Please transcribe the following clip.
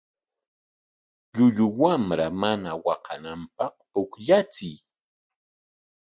Llullu wamra mana waqananpaq pukllachiy.